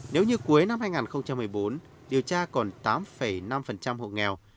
nếu như cuối năm hai nghìn một mươi bốn điều tra còn tám năm hộ nghèo